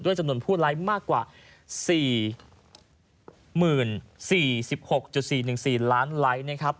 จำนวนผู้ไลค์มากกว่า๔๐๔๖๔๑๔ล้านไลค์นะครับ